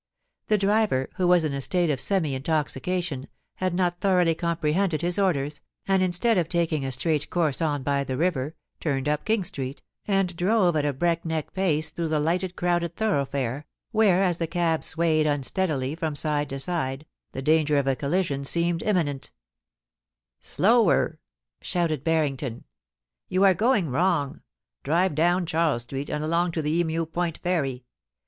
The driver, who was in a state of semi intoxication, had not thoroughly comprehended his orders, and instead of taking a straight course on by the river, turned up King Street, and drove at a break neck pace through the lighted crowded thoroughfare, where, as the cab swayed unsteadily from side to side, the danger of a collision seemed im minent * Slower,' shouted Barringtoa *You are going wrong. Drive down Charles Street, and along to the Emu Point Ferry.